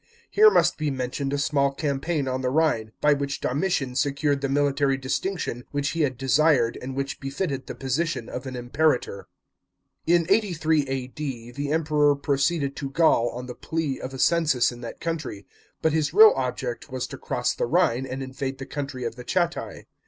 Here must be mentioned a small campaign on the Rhine, by which Domitian secured the military distinction which he had desired and which befitted the position of an Imperator. In 83 A.D. the Emperor proceeded to Gaul on the plea of a census in that country, but his real object was to cross the Rhine and invade the country of the Chatti.